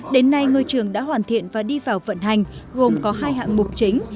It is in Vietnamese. đến nay ngôi trường đã hoàn thiện và đi vào vận hành gồm có hai hạng mục chính